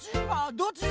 どっちだ？